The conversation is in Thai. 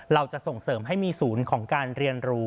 เราจะส่งเสริมให้มีศูนย์ของการเรียนรู้